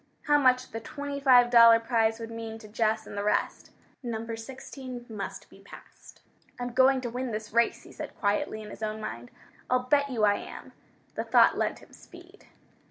How much the twenty five dollar prize would mean to Jess and the rest! Number 16 must be passed. "I'm going to win this race!" he said quietly in his own mind. "I'll bet you I am!" The thought lent him speed.